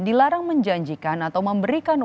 dilarang menjanjikan atau memberikan